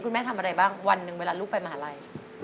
แม่ทำอะไรบ้างวันหนึ่งเวลาลูกไปมหาลัย